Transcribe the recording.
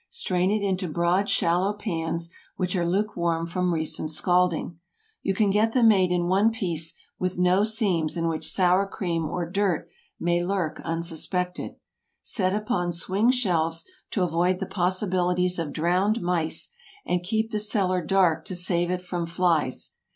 Strain it into broad shallow pans, which are lukewarm from recent scalding. You can get them made in one piece, with no seams in which sour cream or dirt may lurk unsuspected. Set upon swing shelves, to avoid the possibilities of drowned mice, and keep the cellar dark to save it from flies.